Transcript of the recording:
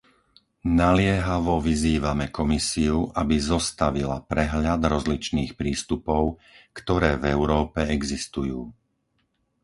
Naliehavo vyzývame Komisiu, aby zostavila prehľad rozličných prístupov, ktoré v Európe existujú.